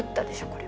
これ。